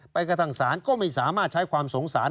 กระทั่งศาลก็ไม่สามารถใช้ความสงสาร